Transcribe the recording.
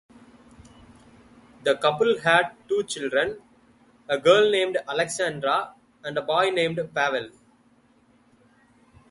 The couple had two children, a girl named Alexandra and a boy named Pavel.